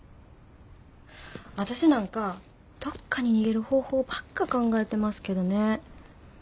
私なんかどっかに逃げる方法ばっか考えてますけどね。